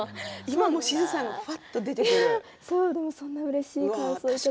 今もしずさんがふわっと出てくる。